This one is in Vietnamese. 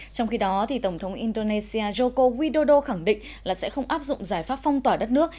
trong khi đó tổng thống indonesia joko widodo khẳng định là sẽ không áp dụng giải pháp phong tỏa đất nước